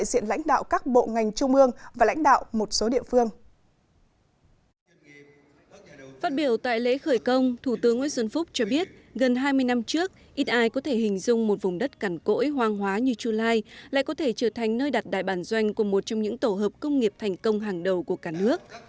phát biểu tại lễ khởi công thủ tướng nguyễn xuân phúc cho biết gần hai mươi năm trước ít ai có thể hình dung một vùng đất cản cỗi hoang hóa như chu lai lại có thể trở thành nơi đặt đại bản doanh của một trong những tổ hợp công nghiệp thành công hàng đầu của cả nước